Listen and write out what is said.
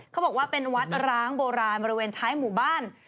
เขาบอกว่าเป็นวัดร้างโบราณบริเวณท้ายหมู่บ้าน